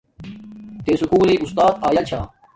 تے سکُول لݵݵ اُستات آیا چھا